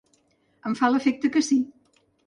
Em fa l’efecte que sí.